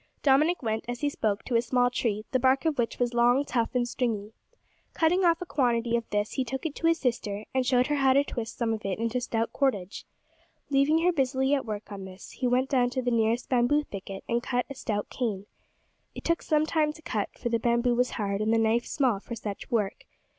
Dominick went, as he spoke, to a small tree, the bark of which was long, tough, and stringy. Cutting off a quantity of this, he took it to his sister, and showed her how to twist some of it into stout cordage. Leaving her busily at work on this, he went down to the nearest bamboo thicket and cut a stout cane. It took some time to cut, for the bamboo was hard and the knife small for such work.